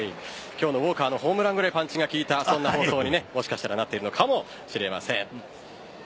今日のウォーカーのホームランぐらいパンチが効いた放送にもしかしたらなってるのかもしれません。